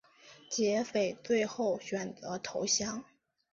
劫匪最后选择投降。